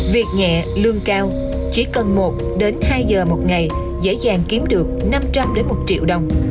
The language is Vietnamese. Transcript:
việc nhẹ lương cao chỉ cần một đến hai giờ một ngày dễ dàng kiếm được năm trăm linh một triệu đồng